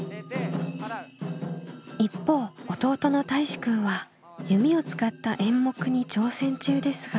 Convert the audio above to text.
一方弟のたいしくんは弓を使った演目に挑戦中ですが。